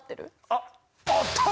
あっ。